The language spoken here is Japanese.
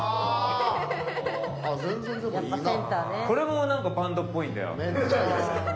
これもなんかバンドっぽいんだよ。